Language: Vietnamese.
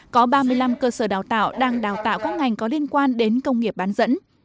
có ba mươi năm cơ sở đào tạo đang đào tạo các ngành có liên quan đến công nghiệp bán dẫn